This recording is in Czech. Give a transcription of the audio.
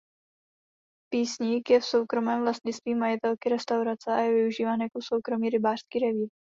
Písník je v soukromém vlastnictví majitelky restaurace a je využíván jako soukromý rybářský revír.